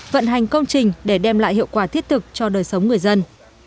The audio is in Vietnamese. vận hành công trình để đem lại hiệu quả thiết thực cho đời sống người dân